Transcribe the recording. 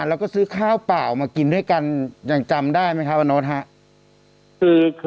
แล้วก็ซื้อข้าวเปล่ามากินด้วยกันยังจำได้ไหมครับว่าโน๊ตครับ